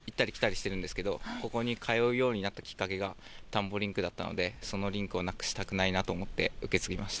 僕は今、千葉とこの地区、行ったり来たりしてるんですけど、ここに通うようになったきっかけが、田んぼリンクだったので、そのリンクをなくしたくないなと思って、受け継ぎました。